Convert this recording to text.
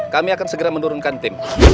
kami akan segera menurunkan tim